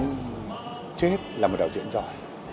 trước hết là một đạo diễn giỏi